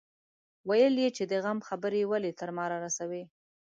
ويل يې چې د غم خبرې ولې تر ما رارسوي.